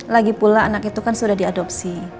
lagipula anak itu kan sudah diadopsi